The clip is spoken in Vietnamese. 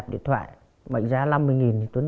đi hướng nào